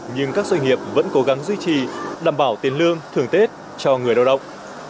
nhưng các doanh nghiệp vẫn cố gắng duy trì đảm bảo tiền lương thường tết cho người lao động